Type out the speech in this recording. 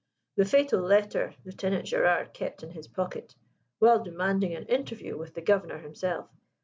The fatal letter Lieutenant Gerard kept in his pocket, while demanding an interview with the Governor himself.